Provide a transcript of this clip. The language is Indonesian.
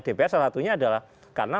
dpr salah satunya adalah karena